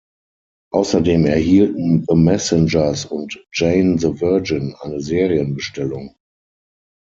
Außerdem erhielten "The Messengers" und "Jane the Virgin" eine Serienbestellung.